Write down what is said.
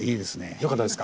よかったですね。